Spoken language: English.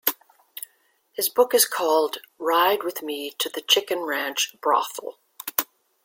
His book is called, Ride With Me To The Chicken Ranch Brothel.